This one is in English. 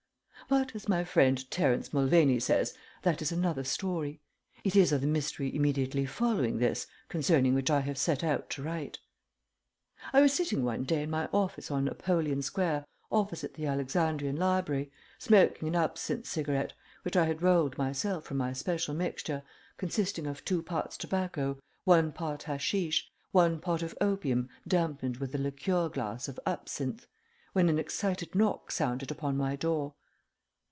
But, as my friend Terence Mulvaney says, that is another story. It is of the mystery immediately following this concerning which I have set out to write. I was sitting one day in my office on Apollyon Square opposite the Alexandrian library, smoking an absinthe cigarette, which I had rolled myself from my special mixture consisting of two parts tobacco, one part hasheesh, one part of opium dampened with a liqueur glass of absinthe, when an excited knock sounded upon my door.